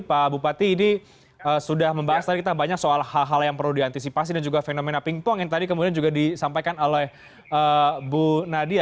pak bupati ini sudah membahas tadi kita banyak soal hal hal yang perlu diantisipasi dan juga fenomena pingpong yang tadi kemudian juga disampaikan oleh bu nadia